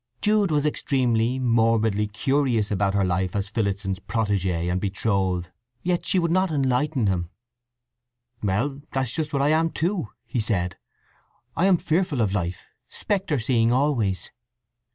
Jude was extremely, morbidly, curious about her life as Phillotson's protégée and betrothed; yet she would not enlighten him. "Well, that's just what I am, too," he said. "I am fearful of life, spectre seeing always."